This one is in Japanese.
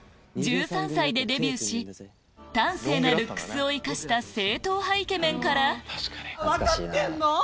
１３歳でデビューし端正なルックスを生かした正統派イケメンから分かってるの？